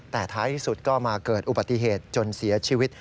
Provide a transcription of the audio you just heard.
แต่ท้ายที่สุดก็มาเกิดอุบัติเหตุจนเสียชีวิต